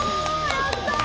やったー！